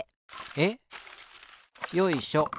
えっ？よいしょ。